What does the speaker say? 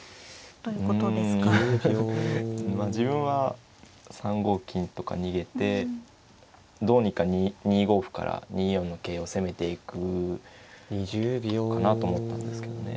まあ自分は３五金とか逃げてどうにか２五歩から２四の桂を攻めていくかなと思ったんですけどね